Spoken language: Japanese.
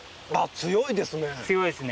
強いですね。